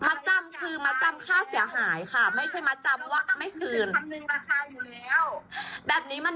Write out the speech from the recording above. ก็ไม่รู้แต่ว่าการที่เรามัดจำมัดจำคือมัดจำค่าเสียหายค่ะ